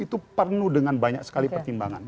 itu penuh dengan banyak sekali pertimbangan